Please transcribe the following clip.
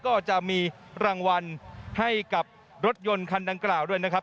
ก็จะมีรางวัลให้กับรถยนต์คันดังกล่าวด้วยนะครับ